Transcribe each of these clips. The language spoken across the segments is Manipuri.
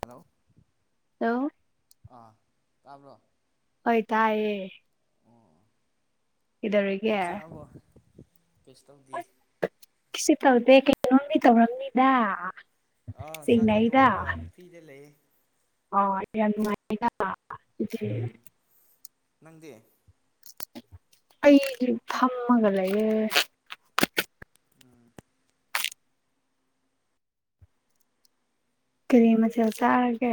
ꯍꯂꯣ ꯍꯜꯂꯣ ꯑꯥ ꯇꯥꯕ꯭ꯔꯣ ꯍꯣꯏ ꯇꯌꯦ ꯀꯩꯗꯧꯔꯤꯒꯦ ꯆꯥꯛꯆꯥꯥꯕꯣ ꯀꯩꯁꯨ ꯇꯧꯗꯦ ꯀꯁꯨ ꯇꯧꯗꯦ ꯀꯩꯅꯣꯗꯤ ꯇꯧꯔꯝꯅꯤꯗ ꯑꯥ ꯆꯥꯛ ꯆꯥ ꯆꯤꯡꯅꯩꯗ ꯇꯣꯛꯑꯒ ꯐꯤꯗ ꯂꯩꯌꯦ ꯍ ꯌꯥꯝ ꯅꯨꯉꯥꯏꯅ ꯑꯗꯨꯗꯤ ꯅꯪꯗꯦ ꯑꯩꯁ ꯐꯝꯃꯒ ꯂꯩꯌꯦ ꯎꯝ ꯀꯔꯤ ꯃꯆꯦꯜ ꯆꯥꯔꯒꯦ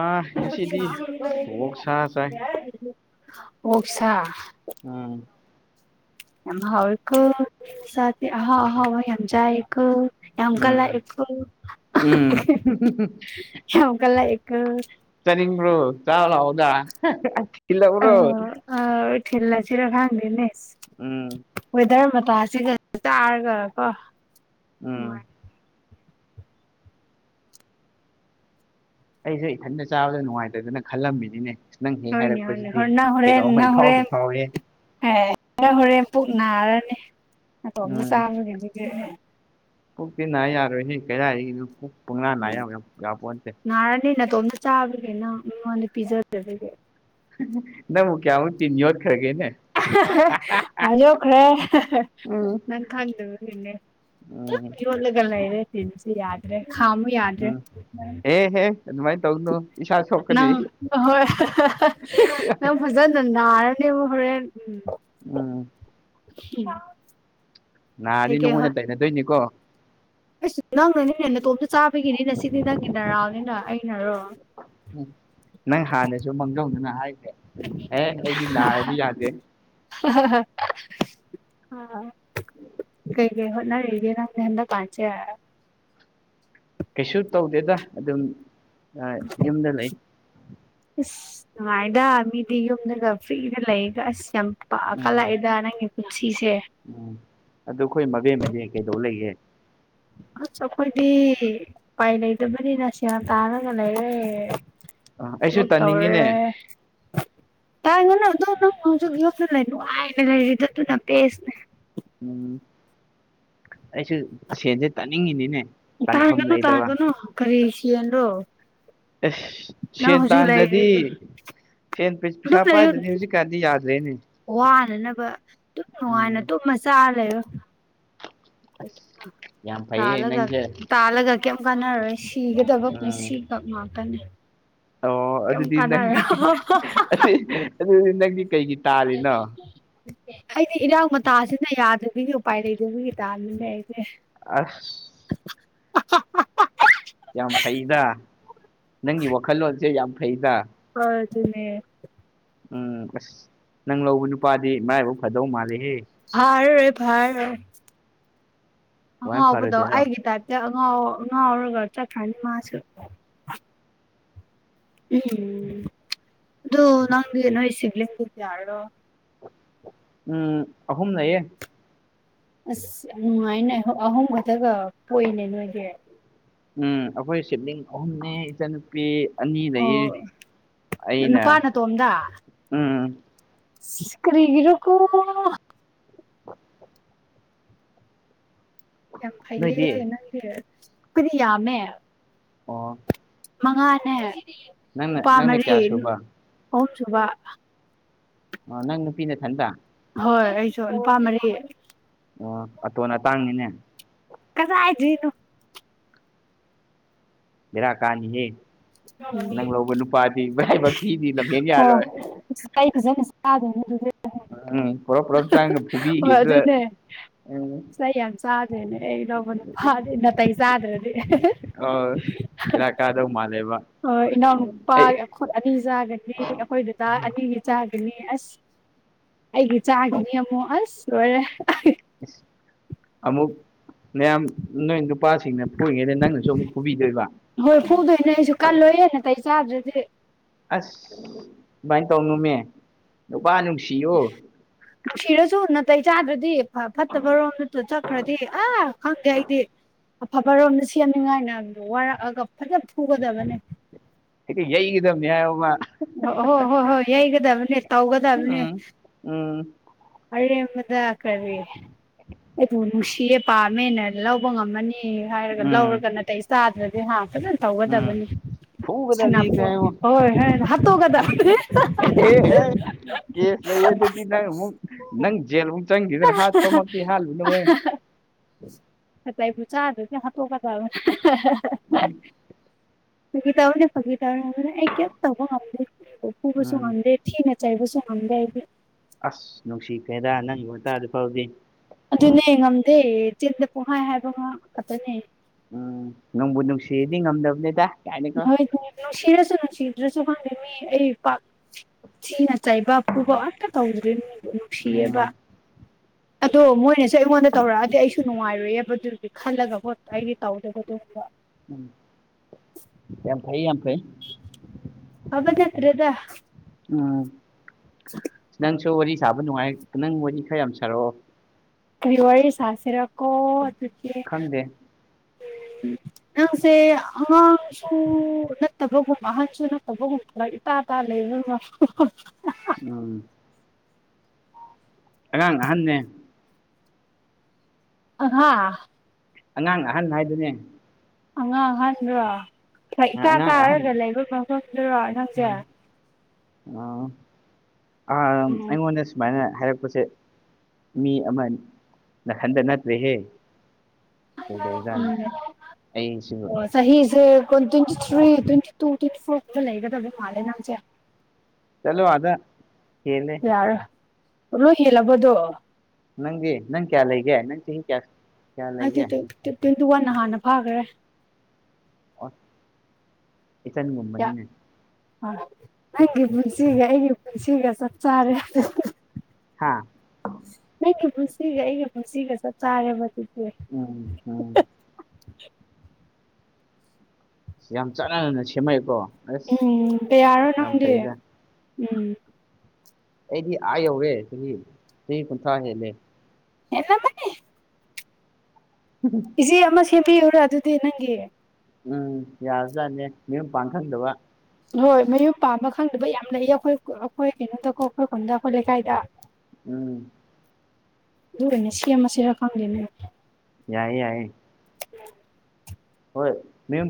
ꯑꯥ ꯉꯁꯤꯗꯤ ꯑꯣꯛꯁꯥ ꯆꯥꯏ ꯑꯣꯛꯁꯥ ꯎꯝ ꯌꯥꯝ ꯍꯥꯎ ꯁꯥ ꯍꯥꯎ ꯍꯥꯎ ꯌꯥꯝꯖꯦ ꯍ ꯑꯃꯝꯀꯂ ꯎꯝ ꯑꯦ ꯍ ꯎꯝ ꯑꯃꯝꯀꯂ ꯑꯦ ꯇꯔꯤ꯭ꯔꯣ ꯆꯥꯎ ꯍꯥꯎꯗ ꯑ ꯑ ꯊꯤꯜ ꯑꯁꯤꯔ ꯍꯪꯗꯦꯅꯦꯁ ꯎꯝ ꯋꯦꯗꯔ ꯃꯇꯁꯤꯒ ꯇꯥꯔꯒꯔ ꯀꯣ ꯎꯝ ꯑꯩꯁꯨ ꯏꯊꯟꯇ ꯆꯥꯕꯗ ꯅꯨꯡꯉꯥꯏꯇꯗꯅ ꯈꯜꯂꯝꯃꯤꯅꯤꯅꯦ ꯅꯪ ꯍꯦꯛ ꯍꯣꯏꯅꯦ ꯍꯣꯏꯅꯦ ꯍꯥꯏꯔꯛꯄꯁꯤꯗꯤ ꯍꯣꯔ ꯅꯪ ꯍꯣꯔꯦꯟ ꯀꯩꯅꯣꯝꯃ ꯏꯐꯥꯎꯗ ꯐꯥꯎꯔꯦ ꯍꯔꯦ ꯍꯣꯔꯦꯟ ꯄꯨꯛ ꯅꯥꯔꯅꯤ ꯑꯇꯣꯝ ꯆꯥꯃ ꯄꯨꯣꯛꯛꯇ ꯅꯥ ꯌꯥꯔꯣꯏꯍꯦ ꯀꯩꯗꯥꯔꯤ ꯄꯨꯡꯅꯥ ꯅꯥꯏ ꯎꯝ ꯄꯣꯁꯦ ꯅꯥꯔꯅꯤ ꯅꯇꯣꯝ ꯆꯥꯕꯒꯦꯅ ꯃꯤꯉꯣꯟꯗ ꯄꯤꯖꯗꯒꯦ ꯅ ꯃꯨꯛ ꯀ ꯑꯃꯛ ꯊꯤ ꯌꯣꯠ ꯈꯔꯒꯦꯅꯦ ꯌꯣꯠꯈ꯭ꯔꯦ ꯎꯝ ꯅꯪ ꯀꯟ ꯏꯅꯦ ꯎꯝ ꯌꯣꯠꯂꯒ ꯂꯩꯔꯦ ꯇꯤꯟ ꯌꯥꯗ꯭ꯔꯦ ꯈꯥꯃꯨ ꯌꯥꯗ꯭ꯔꯦ ꯎꯝ ꯑꯦꯍꯦ ꯑꯗꯨꯃꯥꯏꯅ ꯇꯧꯅꯨ ꯏꯁꯥ ꯁꯣꯛꯀꯅꯤ ꯅꯪ ꯑꯥ ꯍꯣꯏ ꯅꯪ ꯐꯖꯅ ꯅꯥꯔꯅꯦꯕ ꯍꯣꯔꯦꯟ ꯎꯝ ꯎꯝ [unintelligible] ꯅꯥꯔꯗꯤ ꯅꯉꯣꯟꯗ ꯇꯩꯅꯗꯣꯏꯅꯤꯀꯣ ꯑꯩꯁ ꯅꯪꯅꯅꯤꯅꯦ ꯅꯇꯣꯝꯗ ꯆꯥꯕꯒꯤꯅꯤꯅꯦ ꯁꯤꯗꯤ ꯅꯪꯒꯤ ꯅꯔꯥꯟꯅꯤꯅ ꯑꯩꯅꯔꯣ ꯅꯪ ꯍꯥꯟꯅꯁꯨ ꯃꯥꯡꯖꯧꯅꯅ ꯍꯥꯏꯗꯦ ꯑꯦ ꯑꯩꯗꯤ ꯅꯥꯔꯗꯤ ꯌꯥꯗꯦ [unintelligible] ꯀꯔꯤ ꯀꯔꯤ ꯍꯣꯠꯅꯔꯤꯒꯦ ꯅꯪꯗꯤ ꯍꯟꯗꯛꯀꯥꯟꯁꯦ ꯀꯩꯁꯨ ꯇꯧꯗꯦꯗ ꯑꯗꯨꯝ ꯌꯨꯝꯗ ꯂꯩ ꯑꯁ ꯅꯨꯡꯉꯥꯏꯗ ꯃꯤꯗꯤ ꯌꯨꯝꯗꯒ ꯐ꯭ꯔꯤꯗ ꯂꯩꯒ ꯑꯁ ꯌꯥꯝ ꯄꯥꯛ ꯎꯝ ꯀꯥꯂꯛꯏꯗ ꯅꯪꯒꯤ ꯄꯨꯟꯁꯤꯁꯦ ꯎꯝ ꯑꯗꯨ ꯑꯩꯈꯣꯏ ꯃꯕꯦꯝꯃꯗꯤ ꯀꯩꯗꯧ ꯂꯩꯒꯦ ꯑꯁ ꯑꯩꯈꯣꯏꯗꯤ ꯎꯄꯥꯏ ꯂꯩꯇꯕꯅꯤꯅ ꯁꯦꯜ ꯇꯥꯔꯒ ꯂꯩꯔꯦ ꯑꯥ ꯑꯩꯁꯨ ꯂꯣꯛ ꯇꯥꯅꯤꯡꯉꯤꯅꯦ ꯇꯧꯔꯦ ꯇꯥꯟꯒꯅꯨ ꯗꯣ ꯅꯪ ꯍꯧꯖꯤꯛ ꯌꯨꯝꯗ ꯂꯩ ꯅꯨꯉꯥꯏꯅ ꯂꯩꯔꯤꯗꯣ ꯑꯗꯨꯅ ꯕꯦꯁꯠ ꯅꯤ ꯎꯝ ꯑꯩꯁꯨ ꯁꯦꯟꯖꯦ ꯇꯥꯅꯤꯡꯉꯤꯅꯤꯅꯦ ꯇꯥꯟꯐꯝ ꯇꯥꯡꯒꯅꯨ ꯂꯩꯇꯕ ꯇꯥꯡꯒꯅꯨ ꯀꯔꯤꯁꯤꯟ꯭ꯔꯣ ꯑꯦꯁ ꯁꯦꯟ ꯇꯥꯟꯗ꯭ꯔꯗꯤ ꯁꯦꯟ ꯄꯩꯁꯥ ꯑꯗꯨꯝ ꯂꯩꯌꯨ ꯄꯥꯏꯗꯗꯤ ꯍꯧꯖꯤꯛꯀꯥꯟ ꯗꯤ ꯌꯥꯗ꯭ꯔꯦꯅꯦ ꯋꯥꯅꯅꯕ ꯑꯗꯨꯨꯝ ꯅꯨꯡꯉꯥꯏꯅ ꯎꯝ ꯇꯨꯝ ꯃꯆꯥꯔ ꯂꯩꯔꯣ ꯑꯁ ꯌꯥꯝ ꯐꯩꯌꯦ ꯇꯥꯂꯒ ꯅꯪꯁꯦ ꯇꯥꯂꯒ ꯀꯩꯝ ꯀꯥꯟꯅꯔꯔꯣꯏ ꯁꯤꯒꯗꯕ ꯎꯝ ꯄꯨꯟꯁꯤꯈꯛ ꯉꯥꯛꯇꯅꯤ ꯑꯣ ꯑꯗꯨꯗꯤ ꯅꯪꯗꯤ ꯑꯗꯨꯗꯤ ꯅꯪꯗꯤ ꯀꯩꯒꯤ ꯇꯥꯜꯂꯤꯅꯣ ꯑꯩꯗꯤ ꯏꯔꯥꯡ ꯃꯇꯥꯁꯤꯅ ꯌꯥꯗꯕꯒꯤ ꯎꯄꯥꯏ ꯂꯩꯗꯕꯒꯤ ꯇꯥꯂꯤꯅꯦ ꯑꯩꯁꯦ ꯑꯁ [unintelligible] ꯌꯥꯝ ꯐꯩꯗ ꯅꯪꯒꯤ ꯋꯥꯈꯜꯂꯣꯟꯁꯦ ꯌꯥꯝ ꯐꯩꯗ ꯍꯣꯏ ꯑꯗꯨꯅꯦ ꯎꯝ ꯑꯁ ꯅꯪ ꯂꯧꯕ ꯅꯨꯄꯥꯗꯤ ꯃꯔꯥꯏꯕꯛ ꯐꯗꯧ ꯃꯥꯜꯂꯤꯍꯦ ꯐꯔꯔꯣꯏ ꯐꯔꯔꯣꯏ ꯀꯃꯥꯏꯅ ꯑꯉꯥꯎꯕꯗꯣ ꯐꯔꯣꯏꯗꯣꯏꯅꯣ ꯑꯩꯒꯤ ꯇꯥꯏꯞ [unintelligible] ꯑꯉꯥꯎ ꯉꯥꯎꯔꯒ ꯆꯠꯈꯔꯥꯅꯤ ꯃꯥꯁꯨ ꯎꯝ ꯑꯗꫭ ꯅꯪꯗꯤ ꯅꯣꯏ ꯁꯤꯕꯤꯂꯤꯡꯗꯣ ꯀꯌꯥꯔꯣ ꯎꯝ ꯑꯍꯨꯝ ꯂꯩꯌꯦ ꯑꯁ ꯌꯥꯝ ꯅꯨꯡꯉꯥꯏꯅꯦ ꯑꯍꯨꯝ ꯈꯛꯇꯒ ꯄꯣꯛꯏꯅꯦ ꯅꯣꯏꯗꯤ ꯎꯝ ꯑꯩꯈꯣꯏ ꯁꯤꯞꯂꯤꯡ ꯑꯍꯨꯝꯅꯦ ꯏꯆꯟ ꯅꯨꯄꯤ ꯑꯅꯤ ꯑꯣ ꯂꯩ ꯑꯩꯅ ꯅꯨꯄꯥ ꯎꯝ ꯏꯁ ꯀꯔꯤꯒꯔꯥ ꯀꯣ ꯌꯥꯝ ꯐꯩꯌꯦ ꯅꯣꯏꯗꯤ ꯅꯪꯗꯤ ꯑꯩꯈꯣꯏꯗꯤ ꯌꯥꯝꯃꯦ ꯑꯣ ꯃꯉꯥꯅꯦ ꯅꯪꯅ ꯅꯨꯨꯄꯥ ꯅꯪꯅ ꯃꯔꯤ ꯀꯌꯥ ꯁꯨꯕ ꯑꯍꯨꯝꯁꯨꯨꯕ ꯑꯣ ꯅꯪ ꯅꯨꯄꯤ ꯅꯊꯟꯇꯥ ꯍꯣꯏ ꯑꯩꯁꯨ ꯅꯨꯄꯥ ꯃꯔꯤ ꯑꯣ ꯑꯇꯣꯟ ꯑꯇꯥꯡꯅꯤꯅꯦ ꯀꯗꯥꯏꯗꯩꯅꯣ ꯕꯦꯔꯥ ꯀꯥꯅꯤ ꯍꯦ [unintelligible] [unintelligible] ꯏꯕꯥꯏ ꯉꯁꯤꯗꯤ ꯂꯝ ꯍꯦꯟ ꯌꯔꯣꯏ ꯑꯣ ꯑꯩ ꯐꯖꯅ ꯆꯥꯗꯣꯏꯅꯦ ꯑꯗꯨꯗꯤ ꯎꯝ ꯄꯨꯔꯞ ꯄꯨꯔꯞ ꯆꯥꯡꯅ ꯐꯨꯕꯤꯒꯤꯗ [inaudible] ꯆꯩꯌꯥꯝ ꯆꯗꯩꯅꯦ ꯑꯩ ꯂꯧꯕ ꯅꯨꯄꯥꯗꯤ ꯅꯇꯩ ꯆꯗ꯭ꯔꯗꯤ ꯕꯦꯕꯥ ꯀꯥꯗꯧ ꯃꯥꯟꯂꯦꯕꯥ ꯏꯅꯥꯎꯅꯨꯄꯥ ꯑꯩꯈꯣꯢ ꯑꯅꯤ ꯆꯥꯒꯅꯤ ꯑꯩꯈꯣꯏ ꯗꯗꯥ ꯑꯅꯤꯒꯤ ꯆꯥꯒꯅꯤ ꯑꯁ ꯑꯩꯒꯤ ꯆꯥꯒꯤꯅꯦ ꯑꯃꯨꯛ ꯑꯁ ꯂꯣꯏꯔꯦ ꯢꯁ ꯑꯃꯨꯛ ꯅꯌꯥꯝ ꯅꯣꯏ ꯅꯨꯄꯥꯁꯤꯡꯅ ꯄꯨꯔꯤꯉꯩꯗ ꯅꯪꯅꯁꯨ ꯑꯃꯨꯛ ꯐꯨꯕꯤꯗꯣꯏꯕ ꯍꯣꯏ ꯐꯨꯗꯣꯏꯅꯦ ꯑꯩꯁꯨ ꯀꯜꯂꯣꯏꯌꯦ ꯅꯇꯩ ꯆꯥꯗ꯭ꯔꯗꯤ ꯑꯁ ꯗꯨꯃꯥꯏꯅ ꯇꯧꯅꯣꯃꯦ ꯅꯨꯄꯥ ꯅꯨꯡꯁꯤꯌꫭ ꯅꯨꯡꯁꯤꯔꯁꯨ ꯅꯥꯇꯩ ꯆꯥꯗ꯭ꯔꯗꯤ ꯐꯠꯇꯕ ꯔꯣꯝꯗ ꯆꯠꯈ꯭ꯔꯗꯤ ꯑꯥ ꯈꯪꯗꯦ ꯑꯩꯗꯤ ꯑꯐꯕꯔꯣꯝꯗ ꯁꯦꯝꯅꯤꯡꯉꯥꯏꯅꯗꯣ ꯋꯥꯔꯛꯑꯒ ꯐꯖ ꯐꯨꯒꯗꯕꯥꯅꯦ ꯍꯦꯛꯇ ꯌꯩꯒꯗꯅꯦ ꯍꯥꯢꯌꯣꯕ ꯑꯣ ꯍꯣ ꯍꯣꯏ ꯍꯣꯏ ꯌꯩꯒꯗꯕꯅꯦ ꯇꯧꯒꯗꯕꯅꯦ ꯎꯝ ꯎꯝ ꯑꯔꯦꯝꯕꯗ ꯀꯔꯤ ꯑꯩꯕꯨ ꯅꯨꯡꯁꯤꯌꯦ ꯄꯥꯝꯃꯦꯅ ꯂꯧꯕ ꯉꯝꯃꯅꯤ ꯑꯦ ꯍꯥꯏꯔꯒ ꯎꯝ ꯂꯧꯔꯒ ꯅꯥꯇꯩ ꯆꯥꯗ꯭ꯔꯗꯤ ꯍ ꯐꯖꯅ ꯎꯝ ꯇꯧꯒꯗꯕꯅꯤ ꯐꯨꯒꯗꯕꯅꯤ ꯁꯅꯥꯄꯣꯠ ꯀꯥꯏꯌꯣ ꯍꯣꯏ ꯍꯣꯏ ꯇꯣ ꯀꯗꯥꯅꯤ ꯀꯦꯁ ꯂꯩꯌꯦ ꯑꯗꯨꯗꯤ ꯅꯪ ꯑꯃꯨꯛ ꯅꯪ ꯖꯦꯜꯃꯨꯛ ꯆꯪꯈꯤꯗꯅ ꯍꯥꯠꯄꯃꯛꯇꯤ ꯍꯥꯠꯂꯨꯅꯦꯍꯦ ꯅꯇꯩꯕꯨ ꯆ꯭ꯗꯔꯤ ꯍꯥꯠꯇꯣꯛꯀꯗꯕ ꯎꯝ ꯐꯒꯤ ꯇꯧꯕꯅꯦ ꯐꯒꯤ ꯇꯧꯕꯅꯦ ꯑꯩ ꯀꯌꯤꯝ ꯇꯧꯕ ꯉꯝꯗꯦ ꯃꯤꯕꯨ ꯐꯨꯕꯁꯨ ꯎꯝ ꯉꯝꯗꯦ ꯊꯤꯅ ꯆꯩꯕꯁꯨ ꯉꯝꯗꯦ ꯑꯩꯗꯤ ꯑꯁ ꯅꯨꯡꯁꯤ ꯈꯔꯦꯗꯥ ꯅꯪꯒꯤ ꯋꯥꯇꯥꯗꯨ ꯐꯥꯎꯗꯤ ꯑꯗꯨꯅꯦ ꯉꯝꯗꯦ ꯆꯤꯟꯗ ꯄꯩꯛꯍꯥꯏ ꯍꯥꯏꯕ ꯉꯥꯛ ꯈꯥꯛꯇꯅꯦ ꯎꯝ ꯅꯪꯕꯨ ꯅꯨꯡꯁꯤꯗꯤ ꯉꯝꯗꯕꯅꯦꯗ ꯀꯥꯏꯅꯀꯣ ꯍꯣꯏ ꯅꯨꯡꯁꯤꯔꯁꯨ ꯅꯨꯡꯁꯤꯗꯔꯁꯨ ꯈꯪꯗꯦ ꯃꯤꯑꯩ ꯄꯥꯛ ꯊꯤꯅ ꯆꯩꯥꯕ ꯄꯨꯕ ꯑꯝꯇ ꯇꯧꯗ꯭ꯔꯤꯅ ꯅꯨꯡꯁꯤꯌꯦꯕ ꯎꯝ ꯑꯗꯣ ꯃꯣꯏꯅꯁꯨ ꯑꯩꯉꯣꯟꯗ ꯇꯧꯔꯛꯑꯗꯤ ꯑꯩꯁꯨ ꯅꯨꯡꯉꯥꯏꯑꯦꯕ ꯑꯗꯨꯗꯤ ꯈꯜꯂꯒ ꯄꯣꯠꯇ ꯑꯩꯗꯤ ꯇꯧꯗꯕ ꯑꯗꯨꯒꯨꯝꯕ ꯎꯝ ꯌꯥꯝ ꯐꯩ ꯌꯥꯝ ꯐꯩ ꯐꯕꯅ ꯐꯔꯦꯗꯥ ꯎꯝ ꯅꯪꯁꯨ ꯋꯥꯔꯤ ꯁꯥꯕ ꯅꯨꯡꯉꯥꯏ ꯅꯪ ꯋꯥꯔꯤ ꯈꯔ ꯌꯥꯝ ꯁꯥꯔꯛꯑꯣ ꯀꯔꯤ ꯋꯥꯔꯤ ꯁꯁꯤꯔ ꯀꯣ ꯑꯗꯨꯗꯤ [inaudible] ꯅꯡꯁꯦ ꯑꯉꯥꯡ ꯁꯨ ꯅꯠꯇꯕꯒꯨꯝ ꯑꯍꯟꯁꯨ ꯅꯠꯇꯕꯒꯨꯝ ꯐꯕꯛ ꯏꯇꯥꯇꯥ ꯂꯩꯔ ꯎꯝ ꯑꯉꯥꯡ ꯑꯍꯥꯟꯕꯅꯦ ꯍꯥꯥ ꯑꯉꯥꯡ ꯑꯍꯟ ꯍꯥꯏꯗꯨꯅꯦ ꯑꯉꯥꯡ ꯑꯍꯟ ꯔꯣ ꯐꯔꯛ ꯏꯇꯥ ꯑꯉꯥꯡ ꯑꯍꯟ ꯇꯥꯔꯒ ꯂꯩ ꯅꯪꯖꯦ ꯑꯝ ꯑꯝ ꯎꯝ ꯑꯩꯉꯣꯜꯗꯁꯨ ꯁꯨꯃꯥꯏꯅ ꯍꯥꯏꯔꯛꯄꯁꯦ ꯃꯤ ꯑꯃꯅ ꯅꯊꯟꯇ ꯅꯠꯇ꯭ꯔꯦꯍꯦ ꯀꯩꯗꯧꯖꯥꯠꯅꯣ ꯑꯩ ꯁꯤꯕꯨ ꯎꯝ ꯆꯍꯤꯁꯦ ꯀꯣ twenty three twenty two twenty four ꯈꯛꯇ ꯂꯩꯒꯗꯕ ꯃꯥꯜꯂꯦ ꯅꯪꯁꯦ ꯆꯠꯂꯣ ꯑꯗ ꯍꯦꯂꯦ ꯌꯥꯔꯣ ꯂꯣꯏ ꯍꯦꯜꯂꯕꯗꯣ ꯅꯪꯗꯤ ꯅꯪ ꯀꯌꯥꯂꯩꯒ ꯅꯪ ꯆꯍꯤ ꯀꯌꯥ ꯀꯌꯥ ꯂꯩꯒꯦ ꯍꯥꯏꯗꯤ ꯇ꯭ꯋꯦꯟꯇꯤ ꯋꯥꯟꯅ ꯍꯥꯟꯅ ꯐꯥꯈ꯭ꯔꯦ ꯑꯣꯢ ꯏꯆꯟ ꯒꯨꯝꯕꯅꯤꯅꯦ ꯍ ꯅꯪꯒꯤ ꯄꯨꯟꯁꯤꯒ ꯑꯩꯒꯤ ꯄꯨꯟꯁꯤꯒ ꯆꯞ ꯆꯥꯔꯦ ꯍꯥꯥ ꯅꯪꯒꯤ ꯄꯨꯟꯁꯤꯒ ꯑꯩꯒ ꯄꯨꯟꯁꯤꯒ ꯆꯞ ꯆꯥꯔꯦꯕ ꯑꯗꯨꯗꯤ ꯎꯝ ꯎꯝ ꯌꯥꯝ ꯆꯥꯟꯅꯅꯅ ꯁꯦꯝꯃꯛꯑꯦꯀꯣ ꯑꯁ ꯎꯝ ꯀꯌꯥꯔꯣ ꯌꯥꯝ ꯅꯪꯗꯤ ꯐꯩꯗ ꯎꯝ ꯑꯩꯗꯤ ꯑꯥ ꯌꯧꯔꯦ ꯆꯥꯍꯤ ꯀꯨꯟꯊꯔꯥ ꯍꯦꯜꯂꯦ ꯍꯦꯜꯂꯝꯃꯥꯅꯤ ꯎꯝ ꯀꯦꯖꯤ ꯑꯃꯥ ꯁꯦꯝꯕꯤꯌꯨꯔꯥ ꯑꯗꯨꯗꯤ ꯅꯪꯒꯤ ꯎꯝ ꯌꯥꯔꯖꯠꯅꯦ ꯃꯌꯨꯝ ꯄꯥꯟꯕ ꯈꯪꯗꯕ ꯍꯣꯏ ꯃꯌꯨꯝ ꯄꯥꯝꯕ ꯈꯪꯗꯕ ꯌꯥꯝ ꯂꯩꯏ ꯑꯩꯈꯣꯏ ꯑꯩꯈꯣꯏ ꯀꯩꯅꯣꯗꯀꯣ ꯑꯩꯈꯣꯏ ꯈꯨꯟꯗ ꯑꯩꯈꯣꯏ ꯂꯩꯀꯥꯏꯗ ꯎꯝ ꯑꯗꯨ ꯑꯣꯏꯅ ꯁꯦꯝꯃꯁꯤꯔꯥ ꯈꯪꯗꯦꯅꯦ ꯌꯥꯏ ꯌꯥꯏ ꯎꯝ [inaudible] ꯍꯣꯏ ꯃꯌꯨꯝ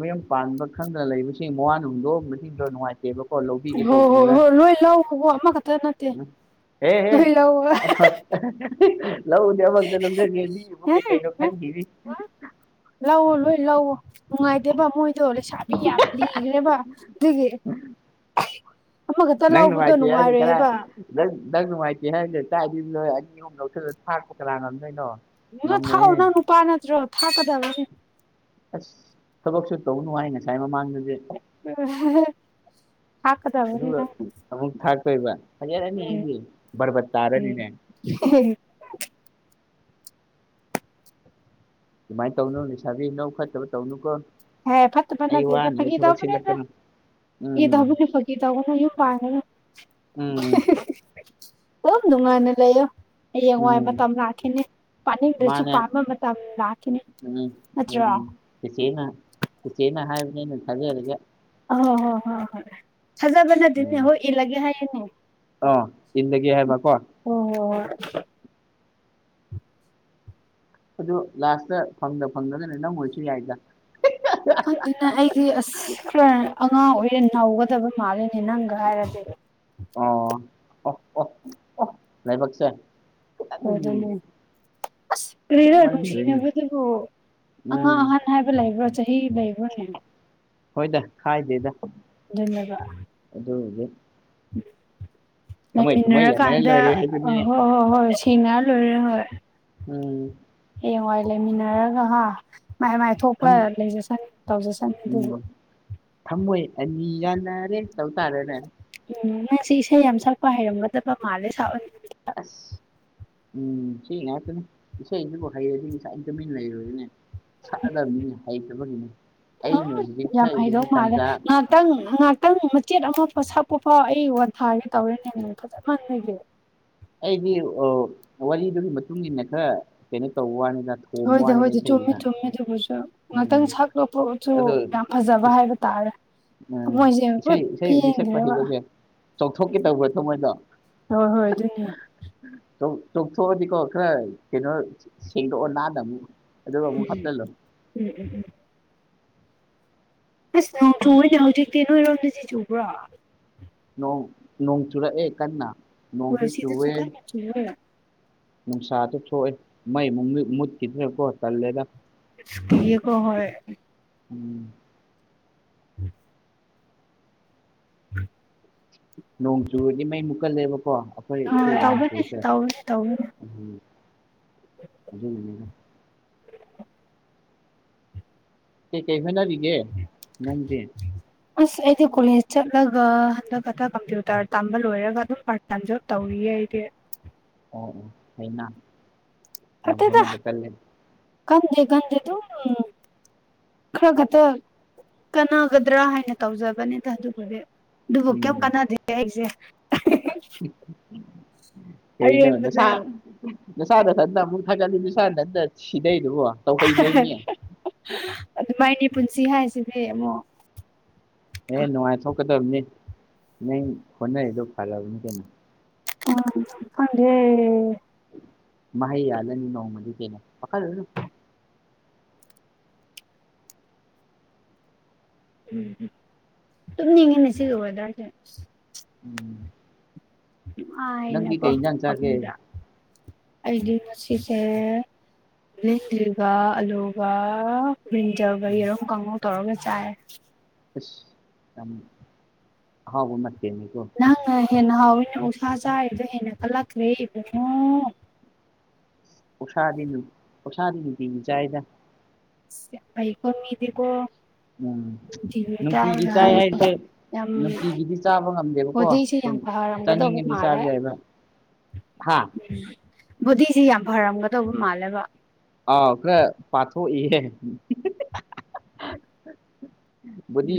ꯃꯌꯨꯝ ꯄꯥꯟꯕ ꯈꯪꯗꯅ ꯂꯩꯕꯁꯤꯡ ꯃꯥꯋꯥꯅ ꯍꯨꯜꯗꯣꯛꯑꯕꯁꯤꯡꯗꯣ ꯅꯨꯡꯉꯥꯏꯇꯦ ꯍꯣ ꯍꯣ ꯍꯣ ꯂꯣꯏꯅ ꯂꯥꯎꯔꯣ ꯑꯃꯥ ꯅꯥꯠ ꯎ ꯍꯦ ꯍꯦ ꯂꯧꯕꯗꯤ ꯑꯃꯈꯛꯇ ꯂꯧꯖꯥꯒꯦ ꯃꯤꯕꯨ ꯀꯩ ꯀꯩꯅꯣ ꯈꯟꯈꯤꯅꯤ ꯂꯧꯑꯣ ꯂꯣꯏ ꯂꯧꯑꯣ ꯅꯨꯡꯉꯥꯏꯗꯦꯕ ꯃꯣꯏꯗꯣ ꯂꯩꯁꯥꯕꯤ ꯌꯥꯝ ꯂꯤꯈ꯭ꯔꯦꯕ ꯗꯒꯤ ꯅꯪ ꯅꯨꯡꯉꯥꯏꯇꯦ ꯍꯥꯏꯒꯦ ꯈꯔ ꯅꯨꯡꯉꯥꯏꯔꯣꯏꯕ ꯅꯪ ꯅꯪ ꯅꯨꯡꯉꯥꯏꯇꯦ ꯍꯥꯏꯔꯤꯁꯦ ꯆꯥꯛꯗꯤ ꯅꯣꯏ ꯑꯅꯤ ꯑꯍꯨꯝ ꯂꯧꯁꯤꯜꯂ ꯊꯥꯛꯄ ꯀꯅꯥ ꯉꯝꯗꯣꯏꯅꯣ ꯌꯗ ꯊꯥꯛꯎ ꯉꯝꯃꯣꯏꯍꯦ ꯅꯪ ꯅꯨꯄꯥ ꯅꯠꯇ꯭ꯔꯣ ꯊꯥꯛꯀꯗꯕꯅꯤ ꯑꯁ ꯊꯕꯛꯁꯨ ꯇꯧꯕ ꯅꯨꯡꯉꯥꯏ ꯉꯁꯥꯏ ꯃꯃꯥꯡꯗꯗꯤ ꯎ ꯍꯥ ꯍꯥ ꯊꯥꯛꯀꯗꯕꯅꯤ ꯑꯗꯨꯒ ꯅꯪ ꯑꯃꯨꯛ ꯊꯥꯛꯇꯣꯏꯕ ꯐꯖꯔꯅꯤ ꯎꯝ ꯑꯩꯗ ꯕꯥꯔꯕꯥꯠ ꯇꯥꯔꯅꯤꯅꯦ [inaudible] ꯑꯗꯨꯃꯥꯏꯅ ꯇꯧꯅꯨ ꯂꯩꯁꯥꯕꯤ ꯅꯕꯨꯛ ꯐꯥꯠꯇꯕ ꯇꯧꯅꯨꯀꯣ ꯍꯦ ꯐꯥꯠꯇꯕ ꯑꯩ ꯅꯠꯇꯦꯗ ꯋꯥꯅꯕ ꯐꯥꯒꯤ ꯊꯕꯛ ꯇꯕꯅꯦꯗ ꯁꯤꯜꯂꯛꯀꯅꯨ ꯑꯦ ꯎꯝ ꯇꯥꯕꯁꯦꯄꯒꯤꯦ ꯇꯥꯒꯅꯁꯨ ꯄꯥꯏꯔꯅ ꯎꯝ [unintelligible] ꯑꯣ ꯅꯨꯡꯉꯥꯏꯅ ꯂꯩꯌꯣ ꯍꯌꯦꯡꯋꯥꯏ ꯎꯝ ꯃꯇꯝ ꯂꯥꯛꯈꯤꯅꯤ ꯄꯥꯅꯤꯡꯗꯁꯨ ꯃꯥꯅꯦ ꯄꯥꯟꯕ ꯃꯇꯝ ꯂꯥꯛꯈꯤꯅꯤ ꯎꯝ ꯅꯠꯇ꯭ꯔꯣ ꯎꯝ ꯆꯦꯆꯦꯅ ꯆꯦꯆꯦꯅ ꯍꯥꯏꯕꯅꯤꯅ ꯊꯥꯖꯔꯒꯦ ꯑꯣ ꯍꯣ ꯍꯣ ꯍꯣꯏ ꯊꯥꯖꯕ ꯅꯠꯇꯦꯅꯦ ꯎꯝ ꯍꯣꯏ ꯏꯂꯒꯦ ꯍꯥꯏꯌꯨꯅꯦ ꯑꯣ ꯏꯜꯂꯒꯦ ꯍꯥꯏꯕꯀꯣ ꯍꯣꯏ ꯍꯣꯏ ꯍꯣꯏ ꯑꯗꯨ ꯂꯥꯁꯇ ꯐꯪꯗ ꯐꯪꯗꯒꯅ ꯅꯪ ꯑꯣꯏꯔꯁꯨ ꯌꯥꯏꯗ ꯑꯗꯨꯅ ꯑꯩꯗꯤ ꯑꯁ ꯈꯔ ꯑꯉꯥꯡ ꯑꯣꯏꯔꯦ ꯅꯧꯒꯗꯕ ꯃꯥꯜꯂꯤꯅꯦ ꯅꯪꯒ ꯍꯥꯏꯔꯗꯤ ꯑꯣ ꯑꯣ ꯑꯣ ꯑꯣ ꯂꯥꯏꯕꯥꯛꯁꯦ ꯐꯗꯣꯏꯅꯦ ꯑꯗꯨ ꯑꯁ ꯀꯔꯤꯔꯥ ꯊꯦꯡꯃꯟꯈ꯭ꯔꯦꯅꯦ ꯅꯨꯡꯁꯤꯅꯕꯗꯨꯕꯨ ꯑꯉꯥꯡ ꯎꯝ ꯑꯍꯥꯟ ꯍꯥꯏꯕ ꯂꯩꯥꯏꯕ꯭ꯔꯣ ꯆꯥꯍꯤ ꯂꯩꯕ꯭ꯔꯅꯦ ꯍꯣꯏꯗ ꯈꯥꯏꯗꯦꯗ ꯑꯗꯨꯅꯦꯕ ꯑꯗꯨꯕꯨꯗꯤ ꯊꯃꯣꯏ ꯊꯃꯣꯏ ꯌꯥꯅꯔ ꯂꯩꯃꯤꯟꯅꯔꯀꯥꯟꯗ ꯂꯣꯏꯔꯦ ꯍꯥꯏꯗꯨꯅꯤꯅꯦ ꯍꯣꯏ ꯑꯣ ꯍꯣ ꯍꯣꯏ ꯁꯤꯅꯥ ꯂꯣꯏꯔꯦ ꯍꯣꯏ ꯎꯝ ꯍꯌꯦꯡꯋꯥꯏ ꯂꯩꯃꯤꯟꯅꯔꯒ ꯍꯥ ꯃꯥꯏ ꯃꯥꯏ ꯊꯣꯛꯄ ꯊꯝ ꯂꯩꯖꯁꯅꯤ ꯇꯧꯖꯁꯅꯤ ꯑꯗꯨꯕꯨ ꯎꯝ ꯊꯝꯃꯣꯏ ꯑꯅꯤ ꯌꯥꯅꯔꯦ ꯇꯧ ꯇꯥꯔꯦꯅꯦ ꯎꯝ ꯅꯪꯁꯦ ꯏꯁꯩ ꯌꯥꯝ ꯁꯛꯄ ꯍꯩꯔꯝꯒꯗꯕ ꯃꯥꯜꯂꯦ ꯁꯛꯑꯣ ꯑꯁ ꯎꯝ ꯏꯁꯩ ꯉꯥꯛꯇ ꯏꯁꯩꯩꯅꯕꯣꯈꯩꯔꯁꯃꯤꯟ ꯂꯩꯔꯨꯔꯁꯤꯅꯦ ꯁꯛꯑꯗꯕꯅꯤ ꯍꯩꯇꯕꯒꯤꯅꯦ ꯑꯩꯅ ꯍꯧꯖꯤꯛ ꯌꯥꯝ ꯍꯩꯗꯧ ꯁꯛꯏꯕꯒꯤ ꯃꯥꯜꯂꯦ ꯇꯥꯟꯖꯥ ꯉꯥꯛꯇꯪ ꯉꯥꯏꯍꯥꯛꯇꯪ ꯃꯆꯦꯠ ꯑꯃ ꯁꯛꯄ ꯐꯥꯎ ꯑꯩ ꯋꯥꯊꯥꯒꯦ ꯇꯧꯔꯦꯅꯦ ꯐꯖ ꯃꯒ ꯑꯩꯗꯤ ꯋꯥꯔꯤꯗꯨꯒꯤ ꯃꯇꯨꯡ ꯏ ꯃꯇꯨꯡꯏꯟꯅ ꯈꯔ ꯀꯩꯅꯣ ꯇꯧꯕ ꯋꯥꯅꯤꯖ ꯍꯣꯏꯗꯤ ꯍꯣꯏꯗꯤ ꯆꯨꯝꯃꯤ ꯆꯨꯝꯃꯤ ꯑꯗꯨꯕꯨꯁꯨ ꯉꯥꯛꯇꯪ ꯎꯝ ꯁꯛ ꯂꯣꯛꯄꯁꯨ ꯑꯗꯣ ꯌꯥꯝ ꯐꯖꯕ ꯍꯥꯏꯕ ꯇꯥꯔ ꯎꯝ ꯏꯁꯩ ꯏꯁꯩꯗꯤ ꯁꯛꯄ ꯍꯩꯒꯁꯦ ꯆꯣꯡꯊꯣꯛꯀꯦ ꯇꯧꯕ ꯊꯣ ꯃꯣꯏꯗꯣ ꯍ ꯍꯣꯏ ꯑꯗꯨ ꯑꯗꯨꯅꯦ ꯇ ꯊꯣꯛꯗꯤ ꯀꯣ ꯈꯔꯩꯅꯣ ꯁꯦꯡꯗ ꯅꯝ ꯎꯝ ꯎꯝ ꯎꯝ ꯎꯝ ꯑꯁ ꯅꯣꯡ ꯆꯨꯨꯔꯅꯦ ꯍꯧꯖꯤꯛꯇꯤ ꯅꯣꯏꯔꯣꯝꯗ ꯆ ꯆꯨꯕ꯭ꯔꯣ ꯅꯣꯡ ꯅꯣꯡꯣꯡ ꯆꯨꯔꯛ ꯑꯦ ꯀꯅꯥ ꯅꯣꯡꯣꯡꯁꯨ ꯍꯣꯏ ꯁꯤꯗꯁꯨ ꯆꯨꯋꯦ ꯀꯟꯅ ꯆꯨꯋꯦ ꯅꯨꯡꯁꯥꯗ ꯊꯣꯛꯑꯦ ꯃꯩ ꯃꯨꯠꯈꯤꯗ꯭ꯔꯦꯀꯣ ꯇꯜꯂꯗ ꯏꯁ ꯀꯤꯌꯦꯀꯣ ꯍ ꯎꯝ ꯎꯝ ꯎꯝ ꯅꯣꯡ ꯆꯨꯗꯤ ꯃꯩ ꯨꯀꯜꯂꯦꯕꯀꯣ ꯑ ꯇꯧꯕ ꯇꯧꯏ ꯇꯧꯋ ꯑꯗꯨ ꯃꯒ ꯀꯩ ꯀꯩ ꯍꯥꯏꯅꯔꯤꯒꯦ ꯅꯪꯒꯤꯦ ꯑꯁ ꯑꯩꯗꯤ ꯀꯣꯂꯦꯖ ꯆꯠꯂꯒ ꯍꯟꯗꯛ ꯍꯛꯇ ꯀꯝꯄ꯭ꯌꯨꯇꯔ ꯇꯝꯕ ꯂꯣꯏꯔꯒ ꯑꯗꯨꯝ ꯇꯥꯟꯖꯕ ꯇꯧꯔꯤꯌꯦ ꯑꯩꯗꯤ ꯑꯣ ꯑꯣ ꯍꯥꯏꯅ ꯐꯇꯩꯗ ꯀꯟꯗꯦ ꯀꯟꯗꯦ ꯇ ꯎ ꯈꯔ ꯈꯛꯇ ꯀꯥꯟꯅꯒꯗ꯭ꯔꯥ ꯍꯥꯏꯅ ꯇꯧꯖꯕꯅꯤꯗ ꯑꯗꯨꯕꯨꯗꯤ ꯑꯗꯨꯕꯨ ꯀꯩꯝ ꯎꯝ ꯀꯥꯟꯅꯗꯦ ꯑꯩꯁꯦ ꯀꯩꯩꯅ [unintelligible] ꯑꯔꯦꯝꯕꯗ ꯅꯁꯥ ꯅꯊꯟꯗ ꯑꯃꯨꯛ ꯊꯥꯒꯠꯂꯤ ꯁꯥ ꯅꯊꯟꯇ ꯁꯤꯗꯩꯗꯨꯕꯣ ꯇꯧꯍꯩꯗꯣꯏꯅꯤ ꯑꯗꯨꯃꯥꯏꯅꯤ ꯄꯨꯟꯁꯤ ꯍꯥꯏꯁꯤꯗꯤ ꯑꯃꯨꯛ ꯑꯦ ꯅꯨꯡꯉꯥꯏꯊꯣꯛꯀꯗꯕꯅꯤ ꯅꯪ ꯍꯣꯠꯅꯔꯤꯗꯣ ꯐꯕꯅꯤ ꯀꯩꯅꯣ ꯎꯝ ꯈꯪꯗꯦ ꯃꯍꯩ ꯌꯥꯜꯂꯅꯤ ꯅꯣꯡꯃꯗꯤ ꯀꯩꯅꯣ ꯄꯥꯈꯜꯗꯅꯣ ꯎꯝ ꯇꯨꯝꯅꯤꯡꯉꯦꯅꯦ ꯁꯤꯒꯕꯗꯥꯏꯁꯦ ꯎꯝ ꯑ ꯅꯪꯗꯤ ꯑꯩꯅꯀꯣ ꯀꯩ ꯏꯟꯖꯥꯡ ꯆꯥꯒꯦ ꯑꯩꯗꯤꯁꯤꯁꯦ ꯂꯤꯂꯤꯒ ꯑꯂꯨꯒ ꯕ꯭ꯔꯤꯟꯖꯔꯒ ꯌꯦꯔꯨꯝ ꯀꯥꯡꯉꯧ ꯇꯧꯔꯒ ꯆꯥꯏ ꯑꯁ ꯌꯥꯝ ꯎ ꯅꯠꯇꯦꯅꯤꯀꯣ ꯅꯪꯅ ꯍꯦꯟꯅ ꯍꯥꯎꯋꯤꯅ ꯎꯁꯥ ꯆꯥꯏꯕꯗꯣ ꯍꯦꯟꯅ ꯀꯜꯂꯛꯈ꯭ꯔꯦ ꯏꯕꯉꯣ ꯎꯁꯥꯗꯤꯅ ꯎꯁꯥꯗꯤꯅꯗꯤꯖꯥꯏꯗ ꯑꯩꯥꯏꯀꯣ ꯃꯤꯗꯤꯀꯣ ꯎꯝ ꯅꯨꯡꯇꯤꯒꯤ ꯅꯪ ꯏ ꯆꯥꯏꯒ ꯆꯥꯏ ꯍꯥꯏ ꯍꯥꯏꯦ ꯌꯥꯝ ꯅꯨꯅꯨꯡꯄꯤꯒꯤꯗꯤ ꯆꯥꯕ ꯉꯝꯗꯦꯕꯀꯣ ꯕꯣꯗꯤꯁꯦ ꯁꯨꯝ ꯌꯥꯝ ꯆꯥꯅꯤꯡꯉꯗꯤ ꯆꯥꯖꯩ ꯍꯥꯏꯕ ꯎꯝ ꯕꯕꯨꯗꯤꯁꯤ ꯌꯥꯝ ꯐꯔꯝꯒꯗꯧꯕ ꯃꯥꯜꯂꯦꯕ ꯑꯥꯎ ꯈꯔ ꯄꯊꯣꯛ ꯏꯍꯦ ꯕꯣꯗꯤ